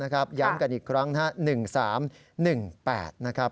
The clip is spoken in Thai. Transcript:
ย้ำกันอีกครั้ง๑๓๑๘นะครับ